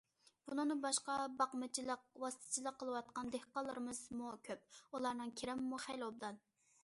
بۇنىڭدىن باشقا، باقمىچىلىق، ۋاسىتىچىلىك قىلىۋاتقان دېھقانلىرىمىزمۇ كۆپ، ئۇلارنىڭ كىرىمىمۇ خېلى ئوبدان.